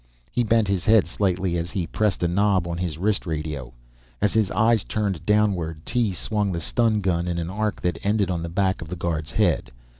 He bent his head slightly as he pressed a knob on his wrist radio. As his eyes turned downward, Tee swung the stun gun in an arc that ended on the back of the guard's head.